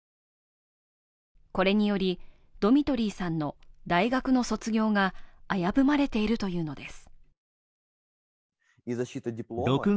これによりドミトリーさんの大学の卒業が危ぶまれているというのです。